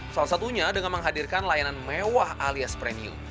salah satunya dengan menghadirkan layanan mewah alias premium